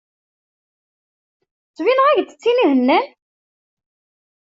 Ttbineɣ-ak-d d tin ihennan?